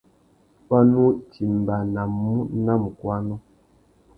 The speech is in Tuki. Wá nú timbānamú nà mukuânô.